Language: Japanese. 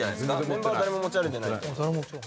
メンバー誰も持ち歩いてない。